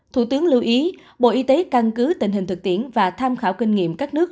thủ tướng lưu ý bộ y tế căn cứ tình hình thực tiễn và tham khảo kinh nghiệm các nước